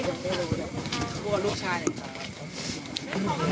ขอบคุณครับ